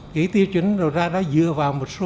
cái tiêu chuẩn đầu ra đó dựa vào một số